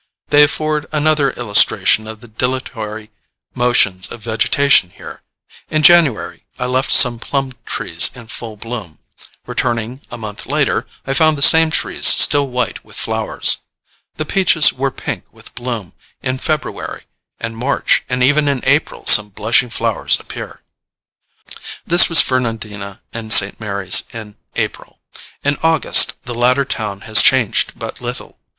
They afford another illustration of the dilatory motions of vegetation here. In January I left some plum trees in full bloom: returning a month later, I found the same trees still white with flowers. The peaches were pink with bloom in February and March, and even in April some blushing flowers appear. This was Fernandina and St. Mary's in April: in August the latter town had changed but little.